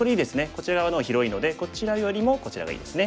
こちら側の方が広いのでこちらよりもこちらがいいですね。